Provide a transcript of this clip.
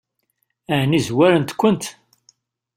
Ɛni zwarent-kent?